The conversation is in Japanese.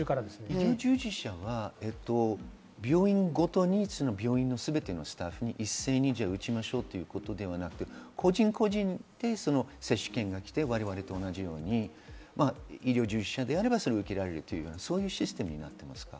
医療従事者は病院ごとに病院がすべてのスタッフに一斉に打ちましょうということではなくて、個人個人に接種券がきて、我々と同じように医療従事者であれば受けられるというシステムなんですか？